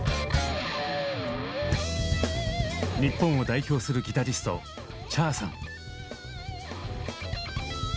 日本を代表するギタリストＣｈａｒさん。